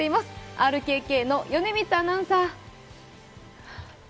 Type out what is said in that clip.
ＲＫＫの米満アナウンサー。